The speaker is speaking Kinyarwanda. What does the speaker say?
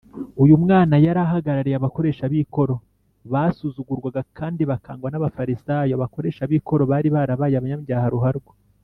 uyu mwana yari ahagarariye abakoresha b’ikoro, basuzugurwaga kandi bakangwa n’abafarisayo abakoresha b’ikoro bari barabaye abanyabyaha ruharwa